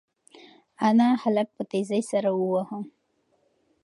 انا هلک په تېزۍ سره وواهه.